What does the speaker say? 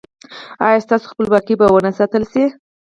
ایا ستاسو خپلواکي به و نه ساتل شي؟